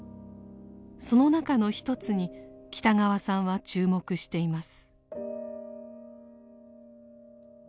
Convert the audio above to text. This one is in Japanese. その中のひとつに北川さんは注目しています。